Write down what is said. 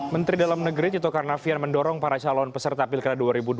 menteri dalam negeri tito karnavian mendorong para calon peserta pilkada dua ribu dua puluh